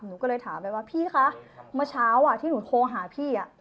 หนูก็เลยถามไปว่าพี่คะเมื่อเช้าที่หนูโทรหาพี่